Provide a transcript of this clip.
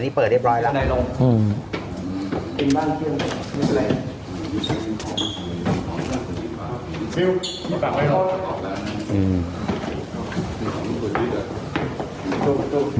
นี่เปิดเรียบร้อยแล้วนายลง